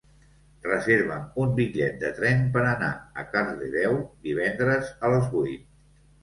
Reserva'm un bitllet de tren per anar a Cardedeu divendres a les vuit.